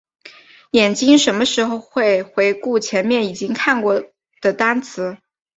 眼睛什么时候会回顾前面已经看到过的单词？